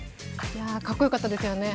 いや、かっこよかったですよね。